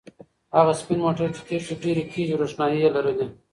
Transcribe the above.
هغه سپین موټر چې تېر شو ډېرې تیزې روښنایۍ لرلې.